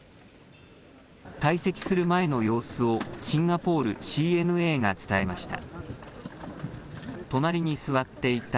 退席する前の様子をシンガポールＣＮＡが伝えました。